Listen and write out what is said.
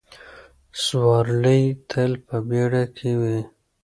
سوارلۍ تل په بیړه کې وي.